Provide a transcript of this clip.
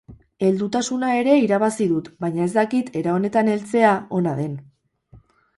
Heldutasuna ere irabazi dut, baina ez dakit era honetan heltzea ona den.